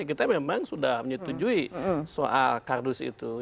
kita memang sudah menyetujui soal kardus itu